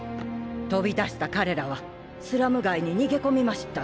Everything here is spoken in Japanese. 飛び出した彼らはスラム街に逃げ込みました。